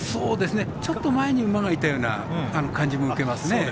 ちょっと前に馬がいたような感じも受けますね。